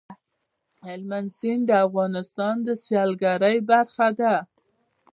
هلمند سیند د افغانستان د سیلګرۍ برخه ده.